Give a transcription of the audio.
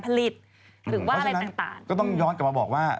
พี่ชอบแซงไหลทางอะเนาะ